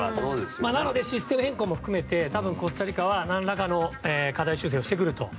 なのでシステム変更を含めコスタリカは何らかの課題修正をしてくると。